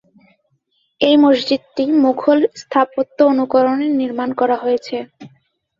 এই মসজিদটি মুঘল স্থাপত্য অনুকরণে নির্মাণ করা হয়েছে।